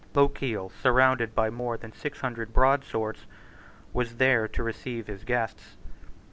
Lochiel, surrounded by more than six hundred broadswords, was there to receive his guests.